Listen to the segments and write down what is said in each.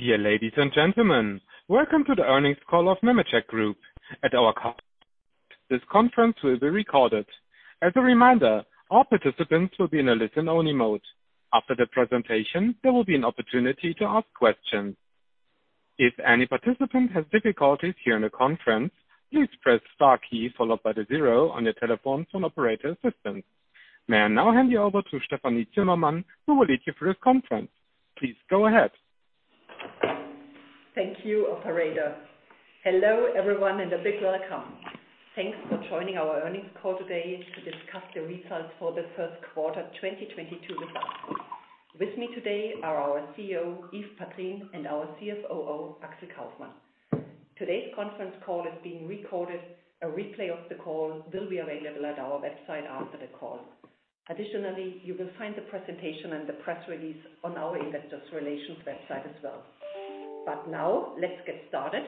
Dear ladies and gentlemen, welcome to the Earnings Call of Nemetschek Group. This conference will be recorded. As a reminder, all participants will be in a listen-only mode. After the presentation, there will be an opportunity to ask questions. If any participant has difficulties hearing the conference, please press star key followed by the zero on your telephones for operator assistance. May I now hand you over to Stefanie Zimmermann who will lead you through this conference. Please go ahead. Thank you operator. Hello everyone, and a big welcome. Thanks for joining our Earnings Call today to discuss the results for the first quarter, 2022 with us. With me today are our CEO, Yves Padrines, and our CFOO, Axel Kaufmann. Today's conference call is being recorded. A replay of the call will be available at our website after the call. Additionally, you will find the presentation and the press release on our investor relations website as well. Now let's get started.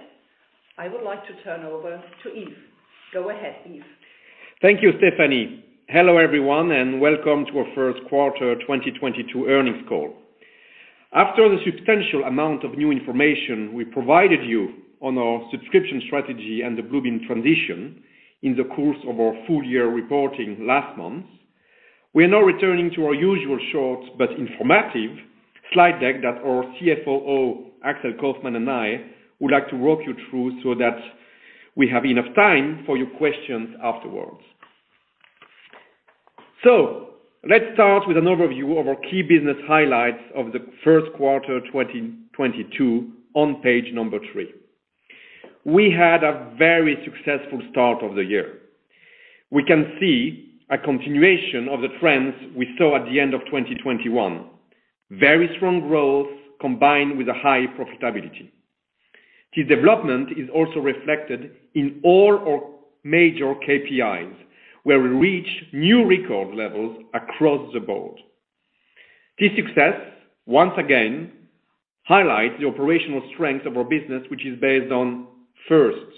I would like to turn over to Yves. Go ahead, Yves. Thank you, Stephanie. Hello everyone and welcome to our First Quarter 2022 Earnings Call. After the substantial amount of new information we provided you on our subscription strategy and the Bluebeam transition in the course of our full year reporting last month, we are now returning to our usual short but informative slide deck that our CFOO, Axel Kaufmann, and I would like to walk you through so that we have enough time for your questions afterwards. Let's start with an overview of our key business highlights of the first quarter 2022 on page number 3. We had a very successful start of the year. We can see a continuation of the trends we saw at the end of 2021. Very strong growth combined with a high profitability. This development is also reflected in all our major KPIs, where we reach new record levels across the board. This success once again highlights the operational strength of our business which is based on first,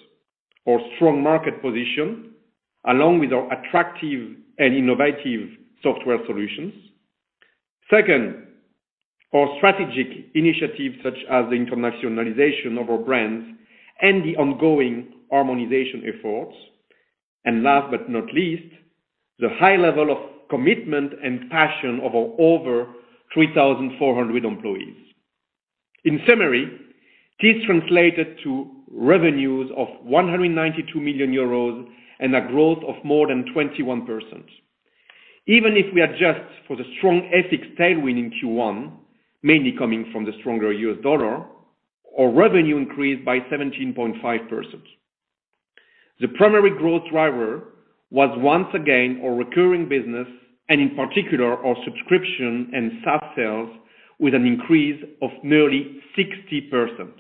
our strong market position, along with our attractive and innovative software solutions. Second, our strategic initiatives such as the internationalization of our brands and the ongoing harmonization efforts. And last but not least, the high level of commitment and passion of our over 3,400 employees. In summary, this translated to revenues of 192 million euros and a growth of more than 21%. Even if we adjust for the strong FX tailwind in Q1, mainly coming from the stronger US dollar, our revenue increased by 17.5%. The primary growth driver was once again our recurring business, and in particular our subscription and SaaS sales, with an increase of nearly 60%.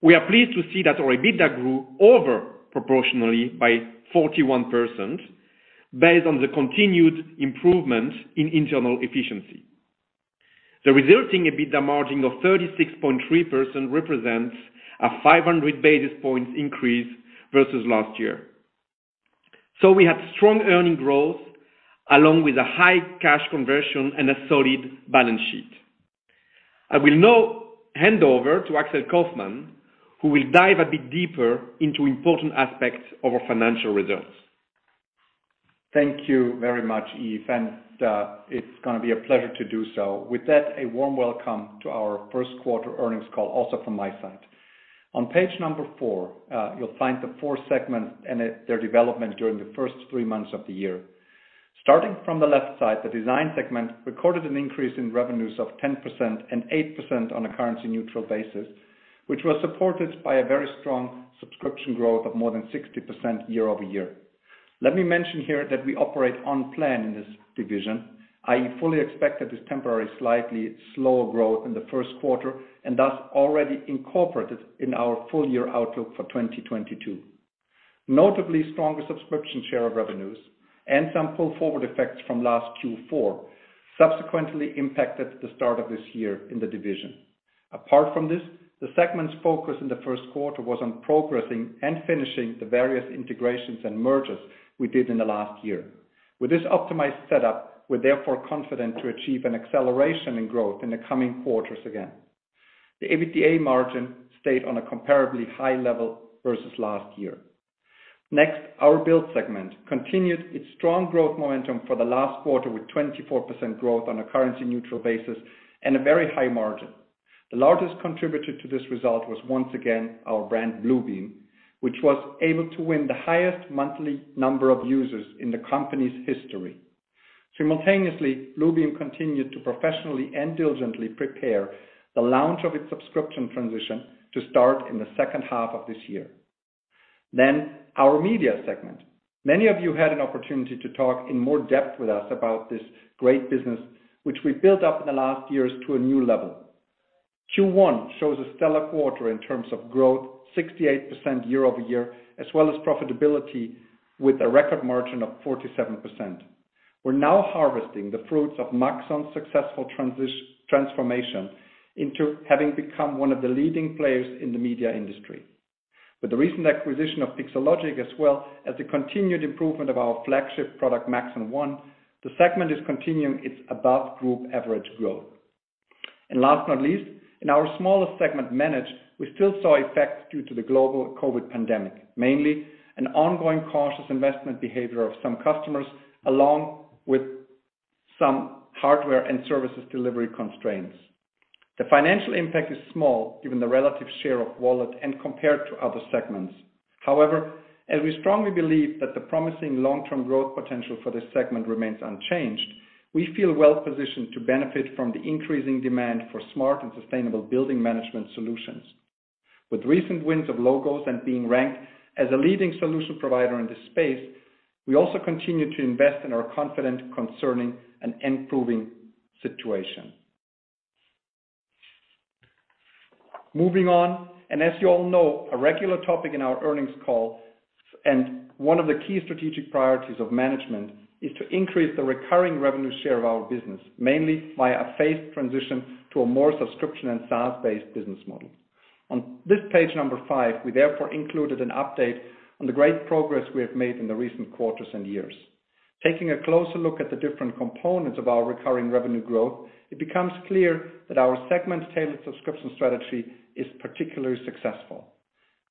We are pleased to see that our EBITDA grew over proportionally by 41% based on the continued improvement in internal efficiency. The resulting EBITDA margin of 36.3% represents a 500 basis points increase versus last year. We have strong earnings growth along with a high cash conversion and a solid balance sheet. I will now hand over to Axel Kaufmann, who will dive a bit deeper into important aspects of our financial results. Thank you very much, Yves. It's gonna be a pleasure to do so. With that, a warm welcome to our first quarter earnings call also from my side. On page number four, you'll find the four segments and their development during the first three months of the year. Starting from the left side, the design segment recorded an increase in revenues of 10% and 8% on a currency-neutral basis, which was supported by a very strong subscription growth of more than 60% year-over-year. Let me mention here that we operate on plan in this division. I fully expect that this temporary slightly slower growth in the first quarter and thus already incorporated in our full-year outlook for 2022. Notably stronger subscription share of revenues and some pull forward effects from last Q4 subsequently impacted the start of this year in the division. Apart from this, the segment's focus in the first quarter was on progressing and finishing the various integrations and mergers we did in the last year. With this optimized setup, we're therefore confident to achieve an acceleration in growth in the coming quarters again. The EBITDA margin stayed on a comparably high level versus last year. Next, our build segment continued its strong growth momentum for the last quarter with 24% growth on a currency neutral basis and a very high margin. The largest contributor to this result was once again our brand Bluebeam, which was able to win the highest monthly number of users in the company's history. Simultaneously, Bluebeam continued to professionally and diligently prepare the launch of its subscription transition to start in the second half of this year. Our media segment. Many of you had an opportunity to talk in more depth with us about this great business which we built up in the last years to a new level. Q1 shows a stellar quarter in terms of growth, 68% year-over-year, as well as profitability with a record margin of 47%. We're now harvesting the fruits of Maxon's successful transformation into having become one of the leading players in the media industry. With the recent acquisition of Pixologic, as well as the continued improvement of our flagship product, Maxon One, the segment is continuing its above-group average growth. Last but not least, in our smallest segment, Manage, we still saw effects due to the global COVID pandemic, mainly an ongoing cautious investment behavior of some customers, along with some hardware and services delivery constraints. The financial impact is small, given the relative share of wallet and compared to other segments. However, as we strongly believe that the promising long-term growth potential for this segment remains unchanged, we feel well-positioned to benefit from the increasing demand for smart and sustainable building management solutions. With recent wins of logos and being ranked as a leading solution provider in this space, we also continue to invest and are confident concerning an improving situation. Moving on, as you all know, a regular topic in our earnings call, one of the key strategic priorities of management, is to increase the recurring revenue share of our business, mainly via a phased transition to a more subscription and SaaS-based business model. On this page 5, we therefore included an update on the great progress we have made in the recent quarters and years. Taking a closer look at the different components of our recurring revenue growth, it becomes clear that our segment-tailored subscription strategy is particularly successful.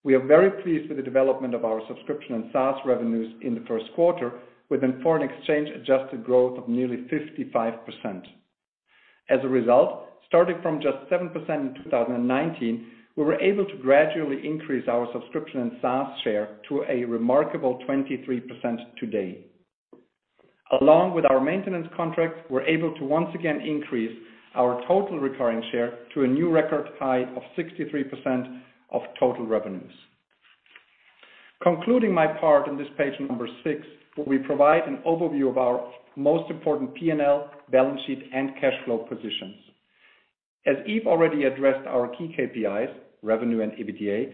We are very pleased with the development of our subscription and SaaS revenues in the first quarter, with a foreign exchange adjusted growth of nearly 55%. As a result, starting from just 7% in 2019, we were able to gradually increase our subscription and SaaS share to a remarkable 23% today. Along with our maintenance contracts, we're able to once again increase our total recurring share to a new record high of 63% of total revenues. Concluding my part on this page number 6, we provide an overview of our most important P&L balance sheet and cash flow positions. As Yves already addressed our key KPIs, revenue and EBITDA,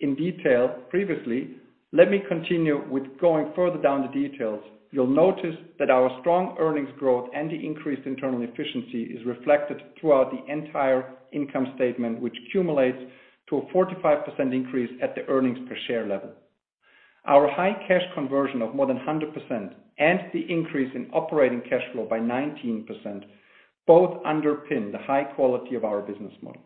in detail previously, let me continue with going further down the details. You'll notice that our strong earnings growth and the increased internal efficiency is reflected throughout the entire income statement, which culminates to a 45% increase at the earnings per share level. Our high cash conversion of more than 100% and the increase in operating cash flow by 19% both underpin the high quality of our business model.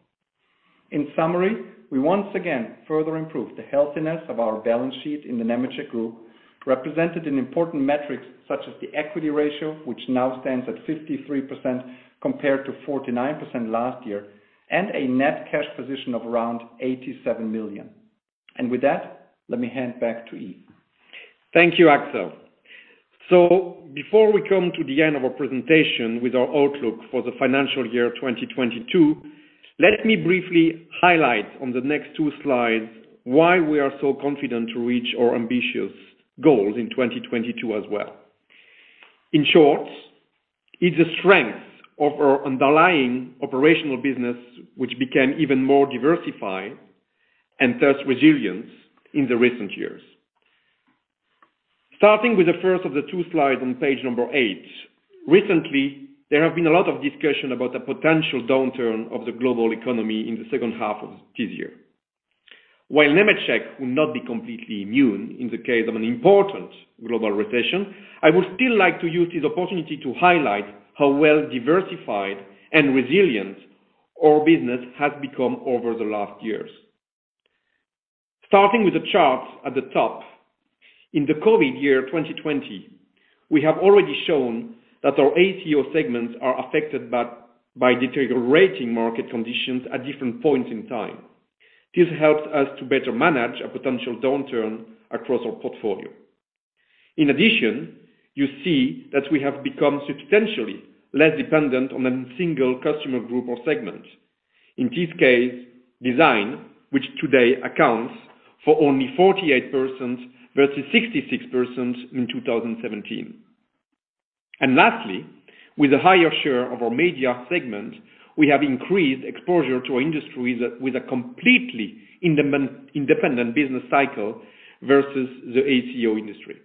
In summary, we once again further improved the healthiness of our balance sheet in the Nemetschek Group, represented in important metrics such as the equity ratio, which now stands at 53% compared to 49% last year, and a net cash position of around 87 million. With that, let me hand back to Yves. Thank you, Axel. Before we come to the end of our presentation with our outlook for the financial year 2022, let me briefly highlight on the next two slides why we are so confident to reach our ambitious goals in 2022 as well. In short, it's a strength of our underlying operational business, which became even more diversified and thus resilience in the recent years. Starting with the first of the two slides on page 8. Recently, there have been a lot of discussion about the potential downturn of the global economy in the second half of this year. While Nemetschek will not be completely immune in the case of an important global recession, I would still like to use this opportunity to highlight how well diversified and resilient our business has become over the last years. Starting with the charts at the top, in the COVID year 2020, we have already shown that our AECO segments are affected by deteriorating market conditions at different points in time. This helps us to better manage a potential downturn across our portfolio. In addition, you see that we have become substantially less dependent on a single customer group or segment. In this case, design, which today accounts for only 48% versus 66% in 2017. Lastly, with a higher share of our media segment, we have increased exposure to industries with a completely independent business cycle versus the AECO industry.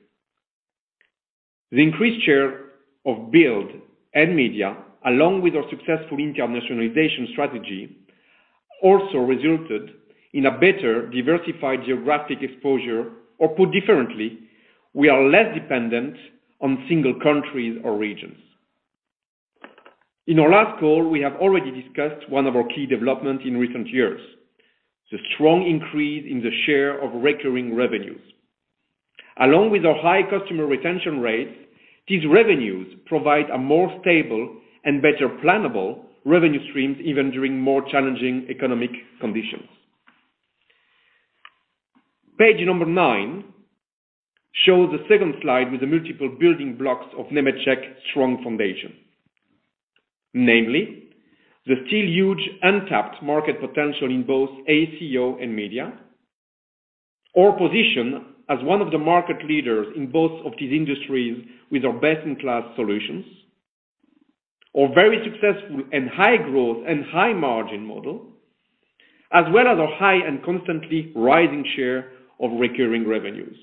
The increased share of build and media, along with our successful internationalization strategy, also resulted in a better diversified geographic exposure, or put differently, we are less dependent on single countries or regions. In our last call, we have already discussed one of our key developments in recent years, the strong increase in the share of recurring revenues. Along with our high customer retention rates, these revenues provide a more stable and better plannable revenue streams, even during more challenging economic conditions. Page number nine shows the second slide with the multiple building blocks of Nemetschek's strong foundation. Namely, the still huge untapped market potential in both AECO and media, our position as one of the market leaders in both of these industries with our best-in-class solutions, our very successful and high growth and high margin model, as well as our high and constantly rising share of recurring revenues.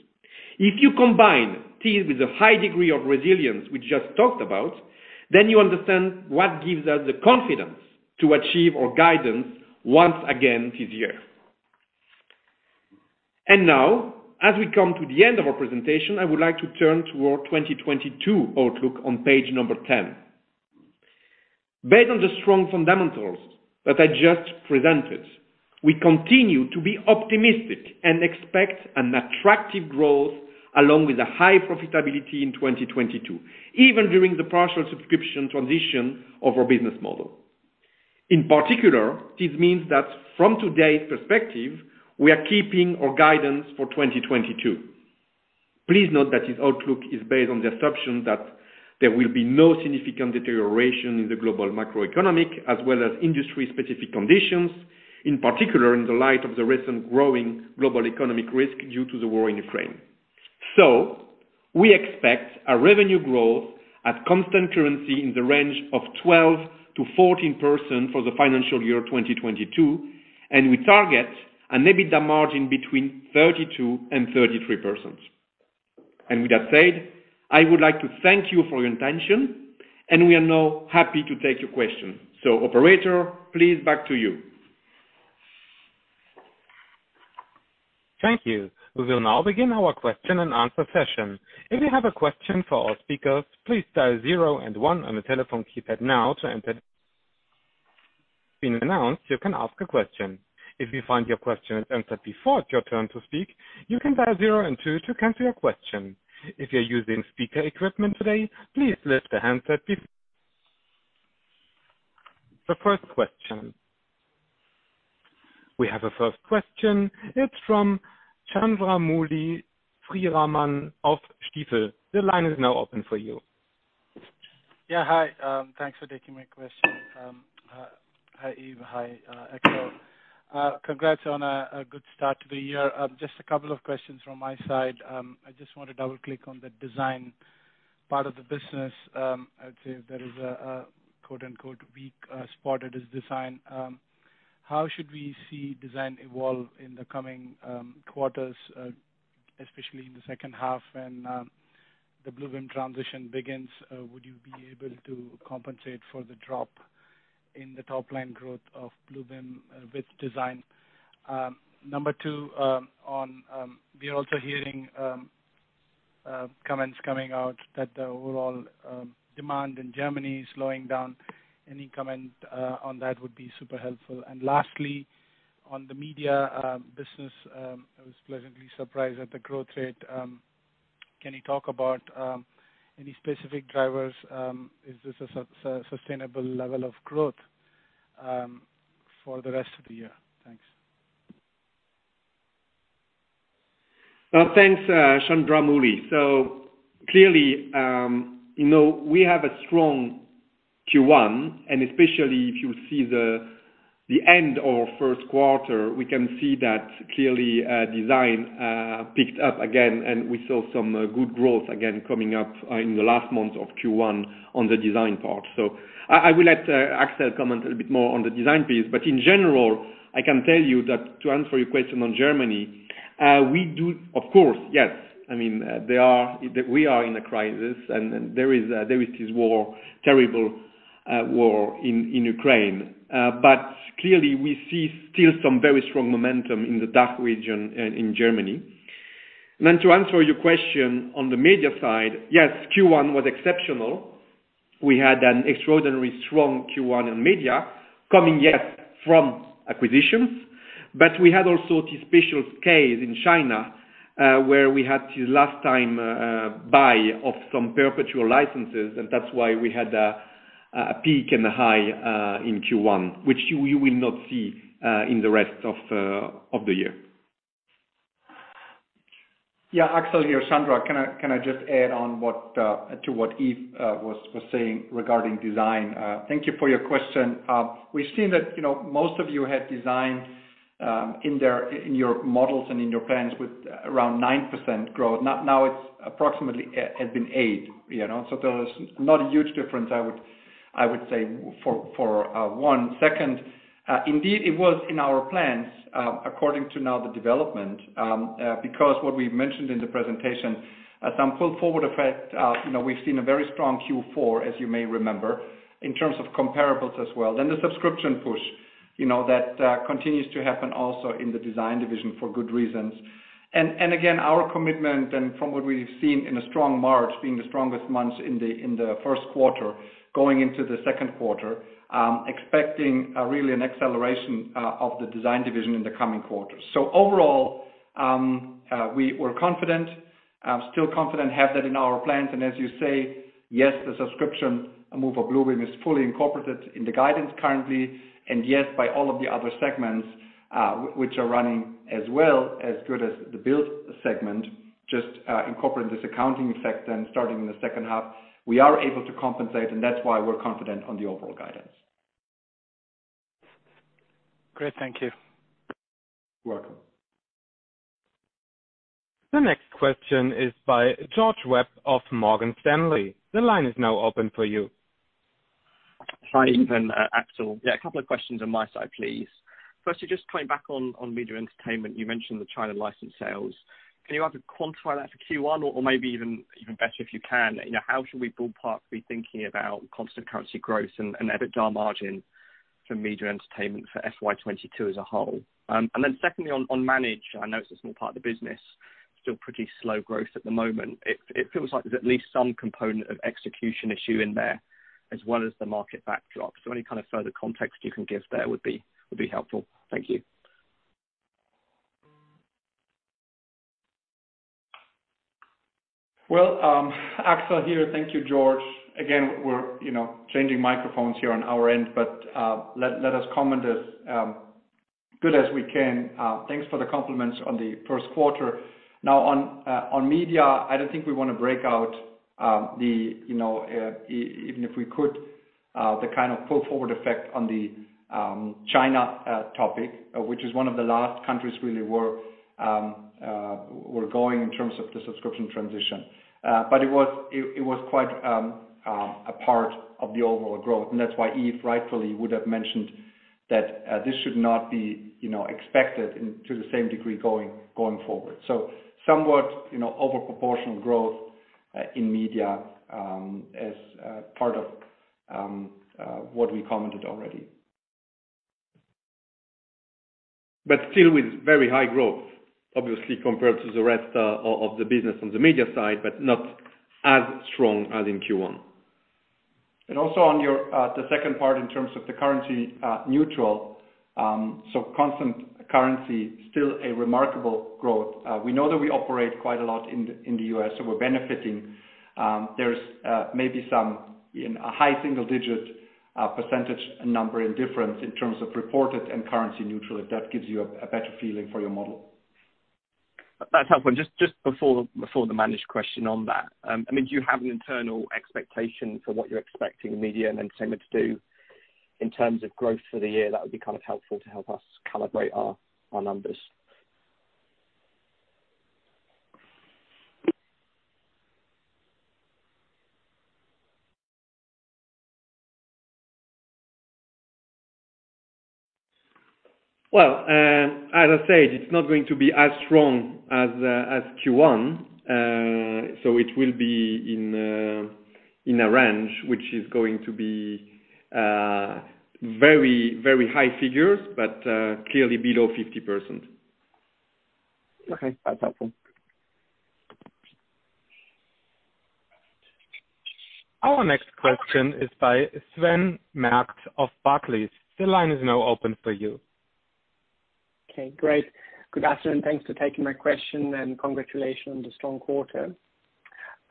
If you combine this with the high degree of resilience we just talked about, then you understand what gives us the confidence to achieve our guidance once again this year. Now, as we come to the end of our presentation, I would like to turn to our 2022 outlook on page 10. Based on the strong fundamentals that I just presented, we continue to be optimistic and expect an attractive growth along with a high profitability in 2022, even during the partial subscription transition of our business model. In particular, this means that from today's perspective, we are keeping our guidance for 2022. Please note that this outlook is based on the assumption that there will be no significant deterioration in the global macroeconomic as well as industry-specific conditions, in particular in the light of the recent growing global economic risk due to the war in Ukraine. We expect a revenue growth at constant currency in the range of 12%-14% for the financial year 2022, and we target an EBITDA margin between 32%-33%. With that said, I would like to thank you for your attention, and we are now happy to take your questions. Operator, please back to you. Thank you. We will now begin our question-and-answer session. If you have a question for our speakers, please dial 0 and 1 on your telephone keypad now to enter. When announced, you can ask a question. If you find your question answered before it's your turn to speak, you can dial 0 and 2 to cancel your question. If you're using speaker equipment today, please lift the handset. We have a first question. It's from Chandramouli Sriraman of Stifel. The line is now open for you. Yeah, hi. Thanks for taking my question. Hi, Yves. Hi, Axel. Congrats on a good start to the year. Just a couple of questions from my side. I just want to double-click on the design part of the business. I would say there is a quote, unquote "weak" spot in this design. How should we see design evolve in the coming quarters, especially in the second half when the Bluebeam transition begins? Would you be able to compensate for the drop in the top line growth of Bluebeam with design? Number two, we are also hearing comments coming out that the overall demand in Germany is slowing down. Any comment on that would be super helpful. Lastly, on the media business, I was pleasantly surprised at the growth rate. Can you talk about any specific drivers? Is this a sustainable level of growth for the rest of the year? Thanks. Thanks, Chandramouli. Clearly, you know, we have a strong Q1, and especially if you see the end of first quarter, we can see that clearly. Design picked up again, and we saw some good growth again coming up in the last month of Q1 on the design part. I will let Axel comment a little bit more on the design piece. In general, I can tell you that to answer your question on Germany, we do, of course, yes. I mean, we are in a crisis and there is this terrible war in Ukraine. Clearly, we see still some very strong momentum in the DACH region and in Germany. To answer your question on the media side, yes, Q1 was exceptional. We had an extraordinary strong Q1 in media coming, yes, from acquisitions, but we had also this special case in China, where we had to last time buy off some perpetual licenses. That's why we had a peak and a high in Q1, which you will not see in the rest of the year. Yeah, Axel here. Chandra, can I just add on to what Yves was saying regarding Design? Thank you for your question. We've seen that, you know, most of you had Design in there, in your models and in your plans with around 9% growth. Now it's approximately has been 8, you know. There is not a huge difference, I would say for one. Second, indeed, it was in our plans according to now the development because what we've mentioned in the presentation some pull-forward effect, you know, we've seen a very strong Q4, as you may remember, in terms of comparables as well. The subscription push, you know, that continues to happen also in the Design division for good reasons. Again, our commitment and from what we've seen in a strong March being the strongest months in the first quarter going into the second quarter, expecting really an acceleration of the design division in the coming quarters. Overall, we were confident, still confident, have that in our plans. As you say, yes, the subscription move of Bluebeam is fully incorporated in the guidance currently. Yes, by all of the other segments, which are running as well as good as the build segment, just incorporating this accounting effect then starting in the second half, we are able to compensate, and that's why we're confident on the overall guidance. Great. Thank you. Welcome. The next question is by George Webb of Morgan Stanley. The line is now open for you. Hi, Yves and Axel. Yeah, a couple of questions on my side, please. First, to just coming back on Media and Entertainment, you mentioned the China license sales. Can you either quantify that for Q1 or maybe even better if you can, you know, how should we ballpark be thinking about constant currency growth and EBITDA margin for Media and Entertainment for FY22 as a whole? And then secondly, on Manage, I know it's a small part of the business, still pretty slow growth at the moment. It feels like there's at least some component of execution issue in there as well as the market backdrop. Any kind of further context you can give there would be helpful. Thank you. Well, Axel here. Thank you, George. Again, we're you know changing microphones here on our end but let us comment as good as we can. Thanks for the compliments on the first quarter. Now on Media, I don't think we wanna break out, you know even if we could the kind of pull forward effect on the China topic which is one of the last countries really, we're going in terms of the subscription transition. But it was quite a part of the overall growth, and that's why Yves rightfully would've mentioned that this should not be you know expected into the same degree going forward. Somewhat, you know, over proportional growth in Media as part of what we commented already. Still with very high growth, obviously compared to the rest of the business on the Media side, but not as strong as in Q1. Also on your, the second part in terms of the currency neutral, so constant currency, still a remarkable growth. We know that we operate quite a lot in the U.S., so we're benefiting. There's maybe some in a high single-digit percentage number in difference in terms of reported and currency neutral, if that gives you a better feeling for your model. That's helpful. Just before the M&A question on that, I mean, do you have an internal expectation for what you're expecting Media and Entertainment to do in terms of growth for the year? That would be kind of helpful to help us calibrate our numbers. Well, as I said, it's not going to be as strong as Q1. It will be in a range which is going to be very, very high figures but clearly below 50%. Okay. That's helpful. Our next question is by Sven Merkt of Barclays. The line is now open for you. Okay, great. Good afternoon. Thanks for taking my question and congratulations on the strong quarter.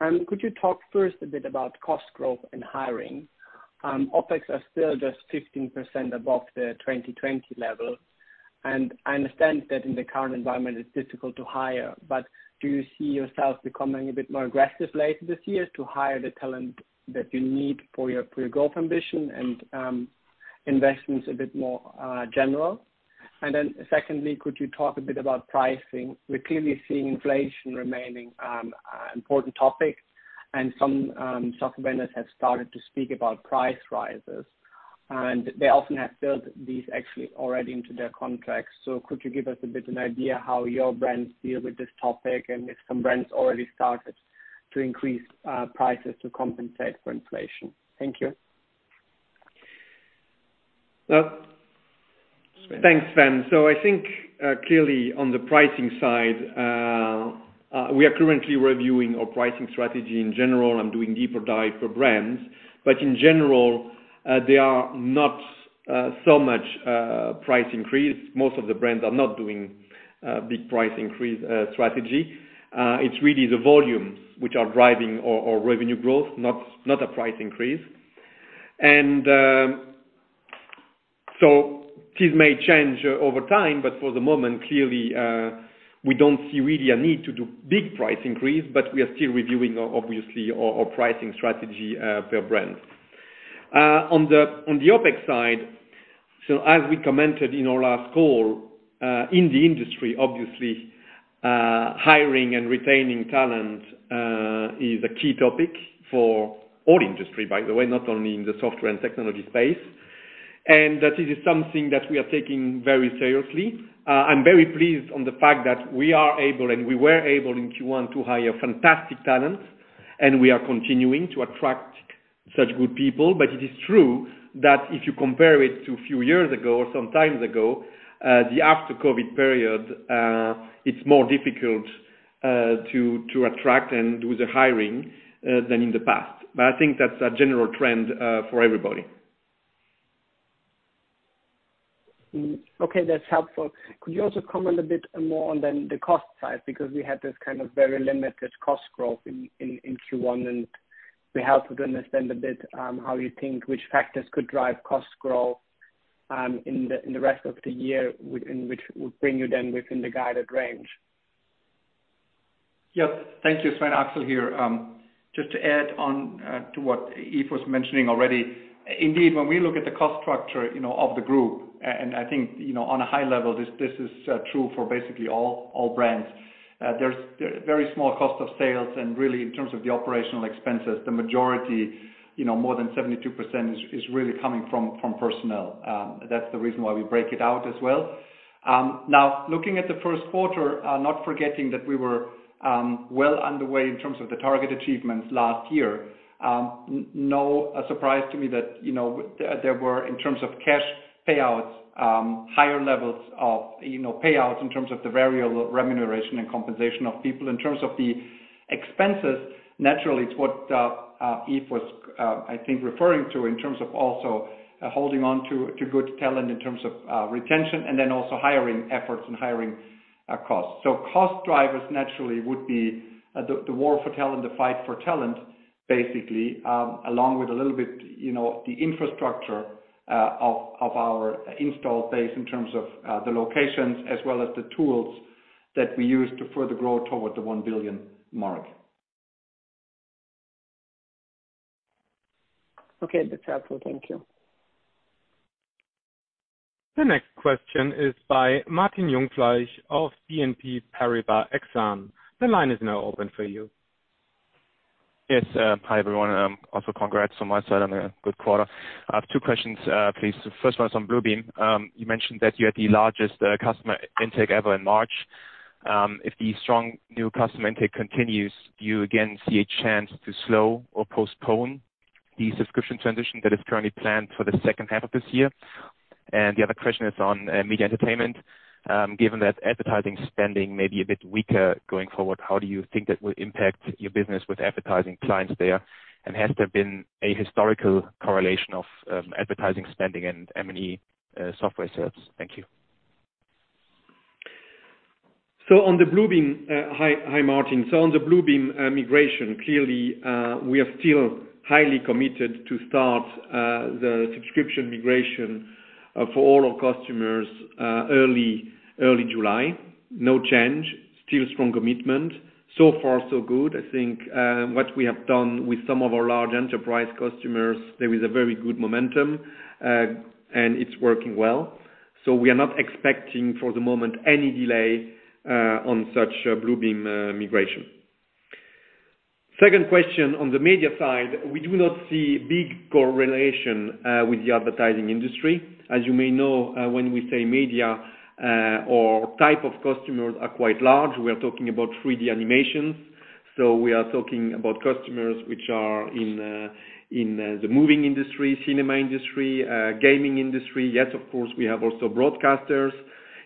Could you talk first a bit about cost growth and hiring? OpEx are still just 15% above the 2020 level, and I understand that in the current environment it's difficult to hire. But do you see yourself becoming a bit more aggressive later this year to hire the talent that you need for your growth ambition and investments a bit more general? Then secondly, could you talk a bit about pricing? We're clearly seeing inflation remaining an important topic and some software vendors have started to speak about price rises, and they often have built these actually already into their contracts. Could you give us a bit of an idea how your brands deal with this topic and if some brands already started to increase prices to compensate for inflation? Thank you. Well, thanks, Sven. I think clearly on the pricing side we are currently reviewing our pricing strategy in general and doing deeper dive for brands. In general they are not so much price increase. Most of the brands are not doing big price increase strategy. It's really the volumes which are driving our revenue growth, not a price increase. This may change over time, but for the moment, clearly we don't see really a need to do big price increase, but we are still reviewing obviously our pricing strategy per brand. On the OpEx side, as we commented in our last call, in the industry obviously, hiring and retaining talent is a key topic for all industry, by the way, not only in the software and technology space. That it is something that we are taking very seriously. I'm very pleased on the fact that we are able, and we were able in Q1 to hire fantastic talent and we are continuing to attract such good people. It is true that if you compare it to few years ago or some times ago, the after COVID period, it's more difficult to attract and do the hiring than in the past. I think that's a general trend for everybody. Okay, that's helpful. Could you also comment a bit more on the cost side? Because we had this kind of very limited cost growth in Q1, and we have to understand a bit how you think which factors could drive cost growth in the rest of the year and which would bring you then within the guided range. Yes. Thank you. Sven, Axel here. Just to add on to what Yves was mentioning already, indeed, when we look at the cost structure, you know, of the group, and I think, you know, on a high level this is true for basically all brands. There's very small cost of sales, and really in terms of the operating expenses, the majority, you know, more than 72% is really coming from personnel. That's the reason why we break it out as well. Now looking at the first quarter, not forgetting that we were well underway in terms of the target achievements last year, no surprise to me that, you know, there were in terms of cash payouts higher levels of, you know, payouts in terms of the variable remuneration and compensation of people. In terms of the expenses, naturally it's what Yves was, I think referring to in terms of also holding on to good talent in terms of retention and then also hiring efforts and hiring costs. Cost drivers naturally would be the war for talent, the fight for talent, basically, along with a little bit, you know, the infrastructure of our installed base in terms of the locations as well as the tools that we use to further grow toward the 1 billion mark. Okay. That's helpful. Thank you. The next question is by Martin Jungfleisch of BNP Paribas Exane. The line is now open for you. Yes. Hi, everyone. Also congrats on my side on a good quarter. I have two questions, please. The first one is on Bluebeam. You mentioned that you had the largest customer intake ever in March. If the strong new customer intake continues, do you again see a chance to slow or postpone the subscription transition that is currently planned for the second half of this year? And the other question is on media entertainment. Given that advertising spending may be a bit weaker going forward, how do you think that will impact your business with advertising clients there? And has there been a historical correlation of advertising spending and M&E software sales? Thank you. Hi. Hi, Martin. On the Bluebeam migration, clearly, we are still highly committed to start the subscription migration for all our customers early July. No change. Still strong commitment. So far so good. I think, what we have done with some of our large enterprise customers, there is a very good momentum, and it's working well. We are not expecting for the moment any delay on such a Bluebeam migration. Second question on the media side, we do not see big correlation with the advertising industry. As you may know, when we say media, our type of customers are quite large. We are talking about 3D animations, so we are talking about customers which are in the movie industry, cinema industry, gaming industry. Yes, of course, we have also broadcasters.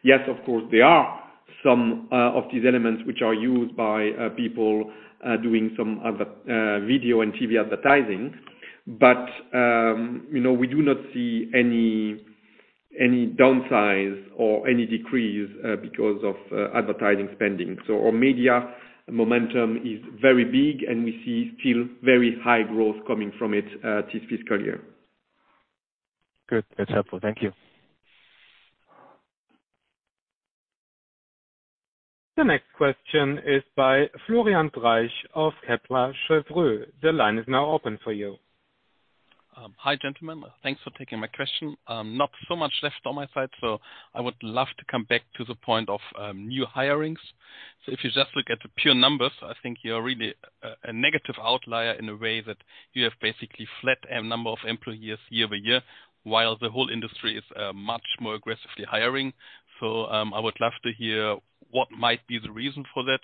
Yes, of course, there are some of these elements which are used by people doing some video and TV advertising, but you know, we do not see any downside or any decrease because of advertising spending. Our media momentum is very big, and we see still very high growth coming from it this fiscal year. Good. That's helpful. Thank you. The next question is by Florian Treisch of Kepler Cheuvreux. The line is now open for you. Hi, gentlemen. Thanks for taking my question. Not so much left on my side, so I would love to come back to the point of new hirings. If you just look at the pure numbers, I think you're really a negative outlier in a way that you have basically flat number of employees year-over-year, while the whole industry is much more aggressively hiring. I would love to hear what might be the reason for that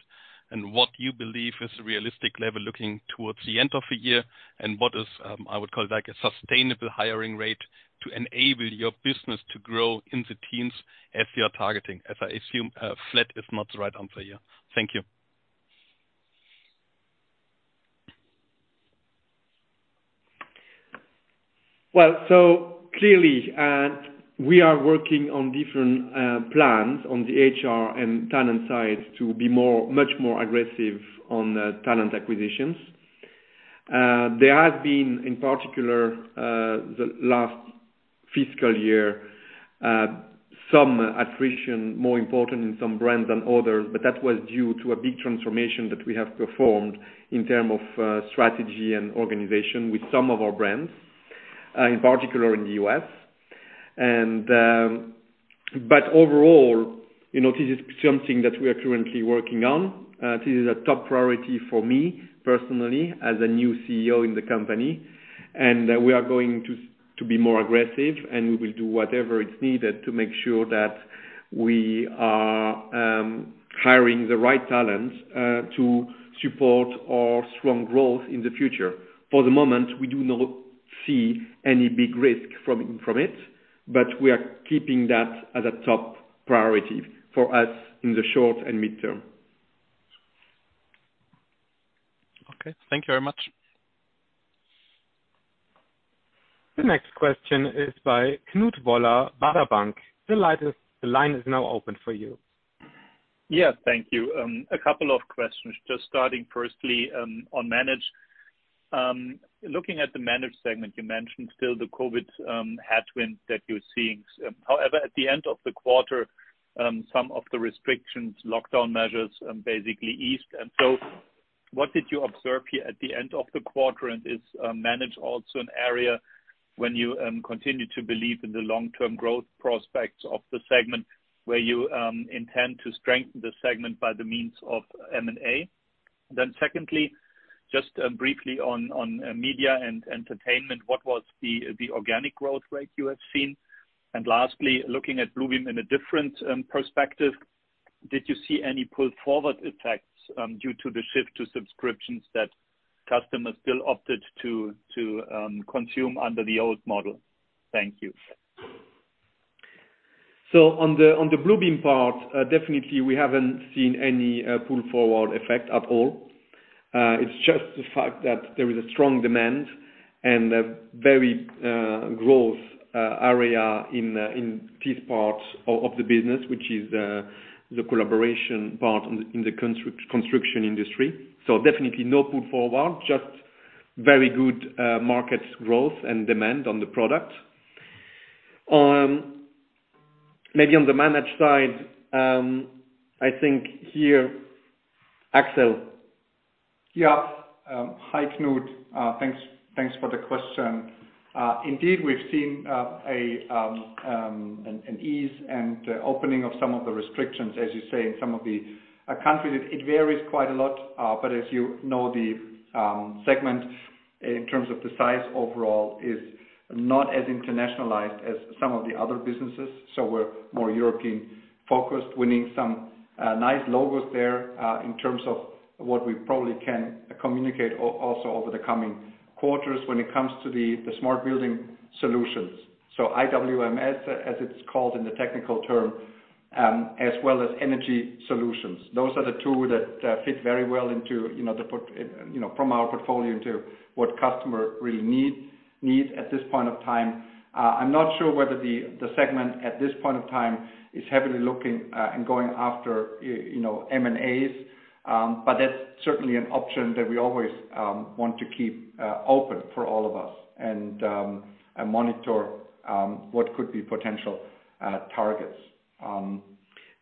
and what you believe is a realistic level looking towards the end of the year, and what is I would call it like a sustainable hiring rate to enable your business to grow in the teens as you are targeting, as I assume, flat is not the right answer here. Thank you. Well, clearly, we are working on different plans on the HR and talent side to be more much more aggressive on the talent acquisitions. There has been, in particular, the last fiscal year, some attrition more important in some brands than others, but that was due to a big transformation that we have performed in terms of strategy and organization with some of our brands, in particular in the U.S. Overall, you know, this is something that we are currently working on. This is a top priority for me personally as a new CEO in the company. We are going to be more aggressive, and we will do whatever is needed to make sure that we are hiring the right talent to support our strong growth in the future. For the moment, we do not see any big risk from it, but we are keeping that as a top priority for us in the short and mid-term. Okay. Thank you very much. The next question is by Knut Woller, Baader Bank. The line is now open for you. Yes. Thank you. A couple of questions, just starting firstly, on Manage. Looking at the managed segment, you mentioned still the COVID headwind that you're seeing. However, at the end of the quarter, some of the restrictions, lockdown measures, basically eased. What did you observe here at the end of the quarter, and is managed also an area when you continue to believe in the long-term growth prospects of the segment where you intend to strengthen the segment by the means of M&A? Secondly, just briefly on Media and Entertainment, what was the organic growth rate you have seen? Lastly, looking at Bluebeam in a different perspective, did you see any pull-forward effects due to the shift to subscriptions that customers still opted to consume under the old model? Thank you. On the Bluebeam part, definitely we haven't seen any pull-forward effect at all. It's just the fact that there is a strong demand and a very growth area in this part of the business, which is the collaboration part in the construction industry. Definitely no pull forward, just very good market growth and demand on the product. Maybe on the managed side, I think here, Axel. Yeah. Hi, Knut. Thanks for the question. Indeed, we've seen an ease and opening of some of the restrictions, as you say, in some of the countries. It varies quite a lot, but as you know, the segment in terms of the size overall is not as internationalized as some of the other businesses. We're more European-focused, winning some nice logos there, in terms of what we probably can communicate also over the coming quarters when it comes to the smart building solutions. IWMS, as it's called in the technical term, as well as energy solutions. Those are the two that fit very well into, you know, the portfolio. You know, from our portfolio into what customer really need at this point of time. I'm not sure whether the segment at this point of time is heavily looking and going after, you know, M&As, but that's certainly an option that we always want to keep open for all of us and monitor what could be potential targets.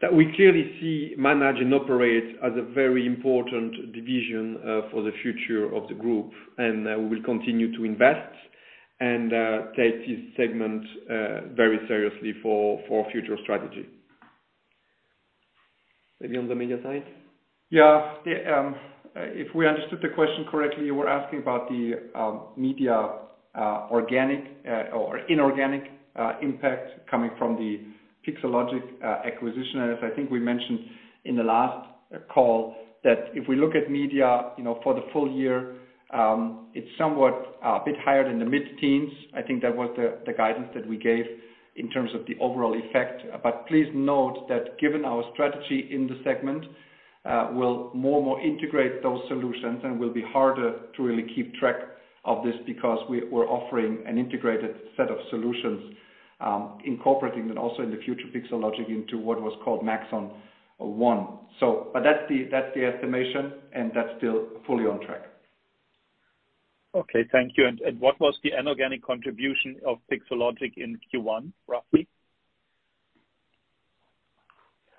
That we clearly see manage and operate as a very important division for the future of the group. We will continue to invest and take this segment very seriously for future strategy. Maybe on the Media side. Yeah. Yeah. If we understood the question correctly, you were asking about the media organic or inorganic impact coming from the Pixologic acquisition. As I think we mentioned in the last call, that if we look at media, you know, for the full year, it's somewhat a bit higher than the mid-teens. I think that was the guidance that we gave in terms of the overall effect. But please note that given our strategy in the segment, we'll more and more integrate those solutions, and will be harder to really keep track of this because we're offering an integrated set of solutions, incorporating that also in the future Pixologic into what was called Maxon One. But that's the estimation, and that's still fully on track. Okay, thank you. What was the inorganic contribution of Pixologic in Q1, roughly?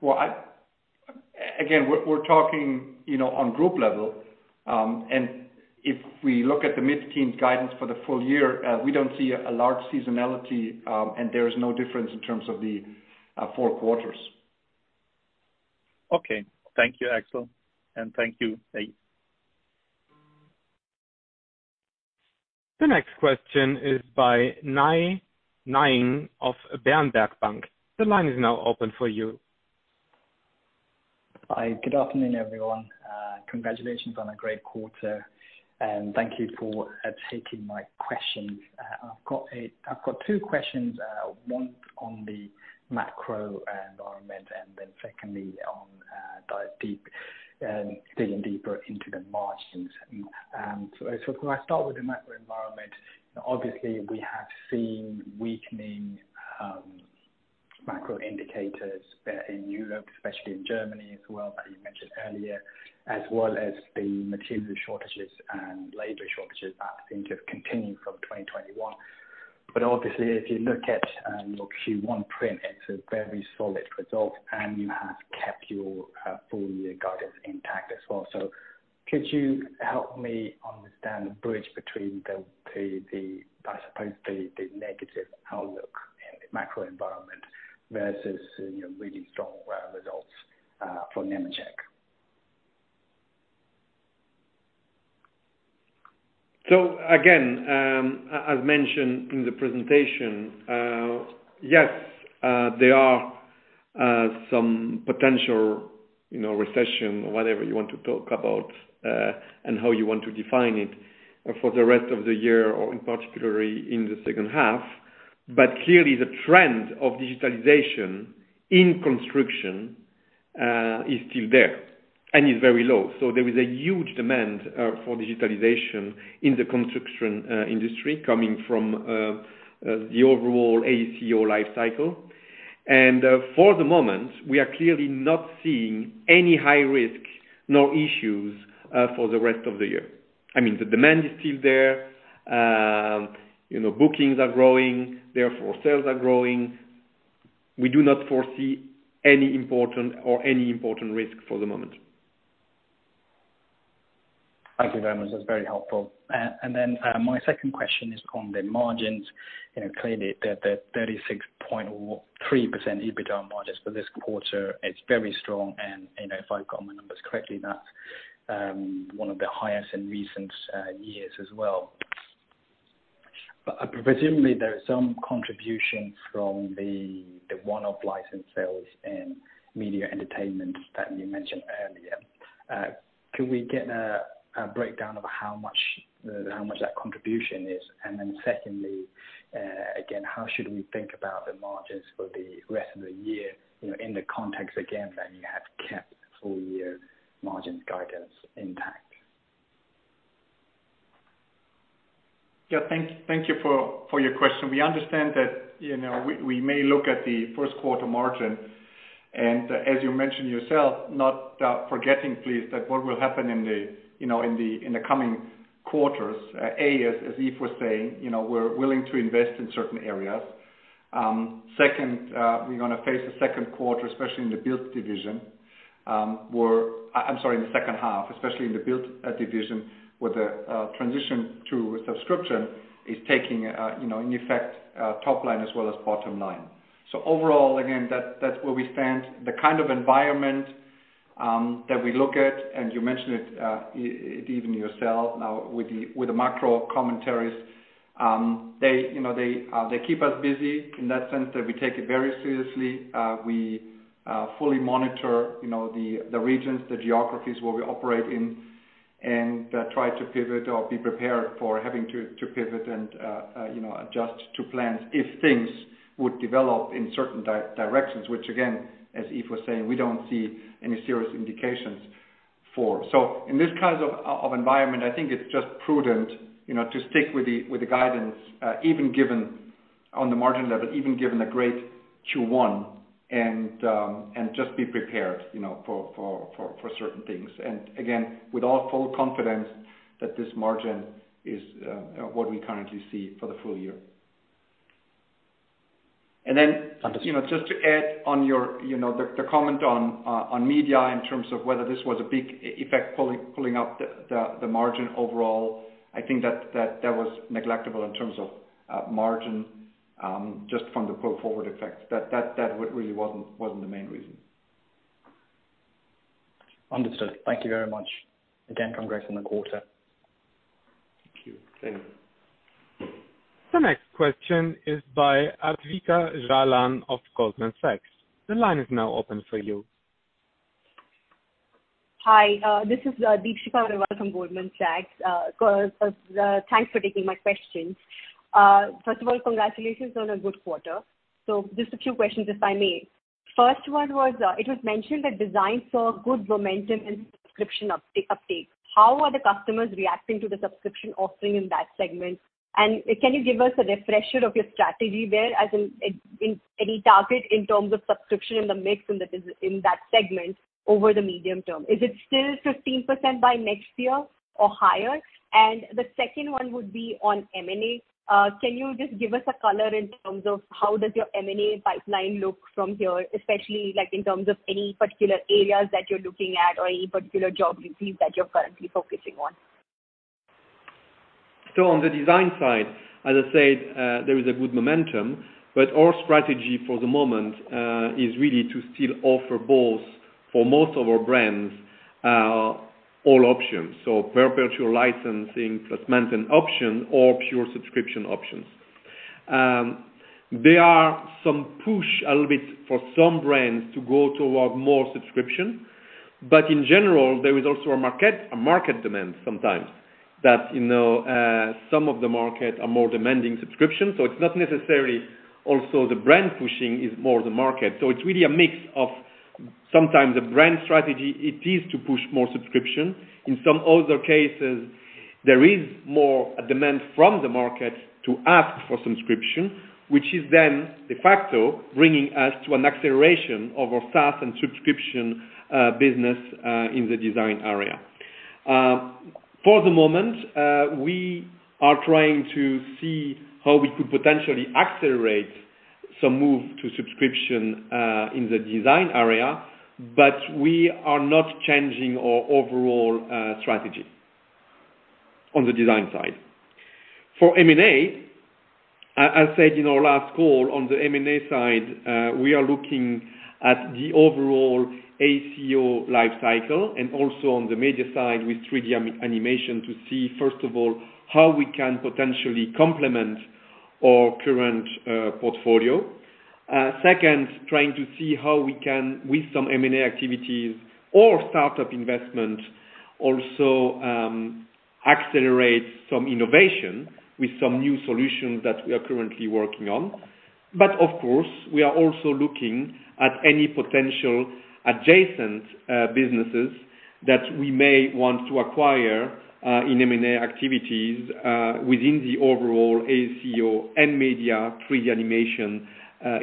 Well, we're talking, you know, on group level, and if we look at the mid-teen guidance for the full year, we don't see a large seasonality, and there is no difference in terms of the 4 quarters. Okay. Thank you, Axel, and thank you, Nate. The next question is by Nay Soe Naing of Berenberg Bank. The line is now open for you. Hi, good afternoon, everyone. Congratulations on a great quarter, and thank you for taking my questions. I've got two questions, one on the macro environment, and then secondly on digging deeper into the margins. Can I start with the macro environment? Obviously, we have seen weakening macro indicators in Europe, especially in Germany as well, that you mentioned earlier, as well as the material shortages and labor shortages that seem to have continued from 2021. Obviously, if you look at your Q1 print, it's a very solid result and you have kept your full year guidance intact as well. Could you help me understand the bridge between the negative outlook in the macro environment versus, you know, really strong results for Nemetschek? Again, as mentioned in the presentation, yes, there are some potential, you know, recession or whatever you want to talk about, and how you want to define it for the rest of the year or in particularly in the second half. Clearly the trend of digitalization in construction is still there and is very low. There is a huge demand for digitalization in the construction industry coming from the overall AECO lifecycle. For the moment, we are clearly not seeing any high risk. No issues for the rest of the year. I mean, the demand is still there. You know, bookings are growing, therefore, sales are growing. We do not foresee any important risk for the moment. Thank you very much. That's very helpful. My second question is on the margins. You know, clearly the 36.3% EBITDA margins for this quarter is very strong and, you know, if I've got my numbers correctly, that's one of the highest in recent years as well. Presumably there is some contribution from the one-off license sales and Media & Entertainment that you mentioned earlier. Can we get a breakdown of how much that contribution is? How should we think about the margins for the rest of the year in the context that you have kept full year margin guidance intact? Thank you for your question. We understand that, you know, we may look at the first quarter margin and as you mentioned yourself, not forgetting please, that what will happen in the coming quarters, as Yves was saying, you know, we're willing to invest in certain areas. Second, we're gonna face the second quarter, especially in the build division, in the second half, especially in the build division with the transition to subscription is taking, you know, in effect, top line as well as bottom line. Overall, again, that's where we stand. The kind of environment that we look at, and you mentioned it, even you yourself now with the macro commentaries. They, you know, they keep us busy in that sense that we take it very seriously. We fully monitor, you know, the regions, the geographies where we operate in and try to pivot or be prepared for having to pivot and, you know, adjust to plans if things would develop in certain directions, which again, as Yves was saying, we don't see any serious indications for. In this kind of environment, I think it's just prudent, you know, to stick with the guidance even given on the margin level, even given a great Q1 and just be prepared, you know, for certain things. Again, with all full confidence that this margin is what we currently see for the full year. Understood. You know, just to add on your, you know, the comment on media in terms of whether this was a big effect pulling up the margin overall, I think that was negligible in terms of margin just from the pull forward effect. That really wasn't the main reason. Understood. Thank you very much. Again, congrats on the quarter. Thank you. Thank you. The next question is by Advika Jalan of Goldman Sachs. The line is now open for you. Hi, this is Advika Jalan from Goldman Sachs. Thanks for taking my questions. First of all, congratulations on a good quarter. Just a few questions, if I may. First one was, it was mentioned that design saw good momentum and subscription uptake. How are the customers reacting to the subscription offering in that segment? Can you give us a refresher of your strategy there as in any target in terms of subscription in the mix in that segment over the medium term? Is it still 15% by next year or higher? The second one would be on M&A. Can you just give us a color in terms of how does your M&A pipeline look from here, especially like in terms of any particular areas that you're looking at or any particular geographies that you're currently focusing on? On the design side, as I said, there is a good momentum, but our strategy for the moment is really to still offer both for most of our brands all options. Perpetual licensing plus maintenance option or pure subscription options. There are some push a little bit for some brands to go toward more subscription. In general, there is also a market demand sometimes that, you know, some of the market are more demanding subscription, so it's not necessarily also the brand pushing, it's more the market. It's really a mix of sometimes the brand strategy it is to push more subscription. In some other cases, there is more a demand from the market to ask for subscription, which is then de facto bringing us to an acceleration of our SaaS and subscription business in the design area. For the moment, we are trying to see how we could potentially accelerate some move to subscription in the design area, but we are not changing our overall strategy on the design side. For M&A, as said in our last call, on the M&A side, we are looking at the overall AECO lifecycle and also on the media side with 3D animation to see, first of all, how we can potentially complement our current portfolio. Second, trying to see how we can with some M&A activities or startup investment also accelerate some innovation with some new solutions that we are currently working on. Of course, we are also looking at any potential adjacent businesses that we may want to acquire in M&A activities within the overall A and media 3D animation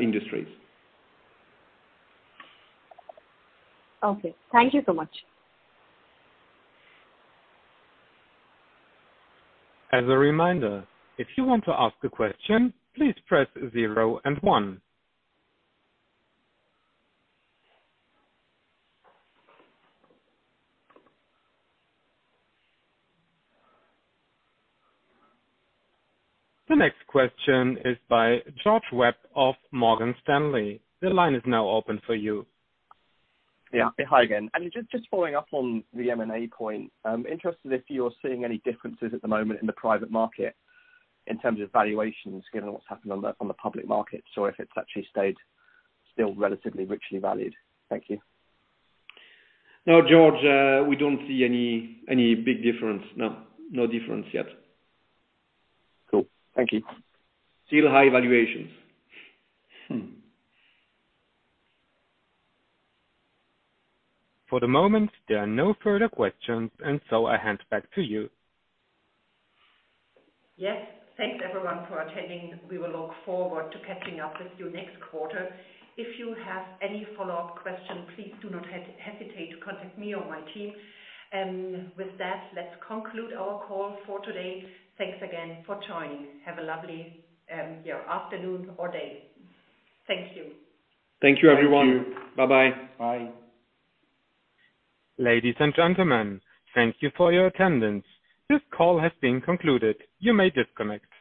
industries. Okay. Thank you so much. As a reminder, if you want to ask a question, please press 0 and 1. The next question is by George Webb of Morgan Stanley. The line is now open for you. Yeah. Hi again. Just following up on the M&A point, I'm interested if you're seeing any differences at the moment in the private market in terms of valuations given what's happened on the public market, so if it's actually stayed still relatively richly valued. Thank you. No, George. We don't see any big difference. No. No difference yet. Cool. Thank you. Still high valuations. For the moment, there are no further questions, and so I hand back to you. Yes. Thanks everyone for attending. We will look forward to catching up with you next quarter. If you have any follow-up questions, please do not hesitate to contact me or my team. With that, let's conclude our call for today. Thanks again for joining. Have a lovely, yeah, afternoon or day. Thank you. Thank you, everyone. Thank you. Bye-bye. Bye. Ladies and gentlemen, thank you for your attendance. This call has been concluded. You may disconnect.